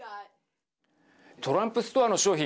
トランプストアの商品